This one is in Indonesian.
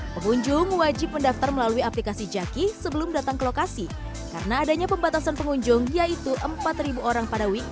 pengunjung wajib mendaftar melalui aplikasi jaki sebelum datang ke lokasi karena adanya pembatasan pengunjung yaitu empat orang pada weekdays dan lima orang pada saat weekend